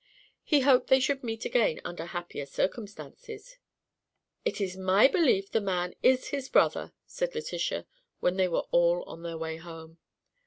He hoped they should meet again "under happier circumstances." "It's my belief the man is his brother," said Letitia, when they were all on their way home.